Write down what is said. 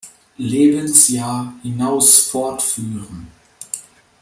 Lebensjahr hinaus fortführen.